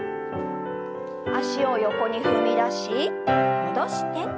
脚を横に踏み出し戻して。